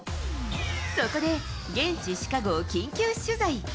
そこで、現地シカゴを緊急取材。